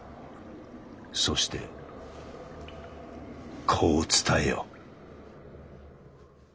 そしてこう伝えよ。